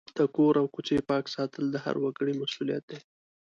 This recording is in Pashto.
د کور او کوڅې پاک ساتل د هر وګړي مسؤلیت دی.